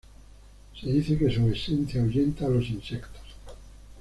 Se dice que su esencia ahuyenta a los insectos.